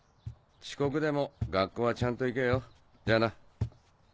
遅刻でも学校はちゃんと行けよじゃあな。